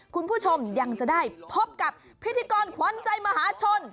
คุณผู้ชมยังจะได้พบกับพิธีกรขวัญใจมหาชน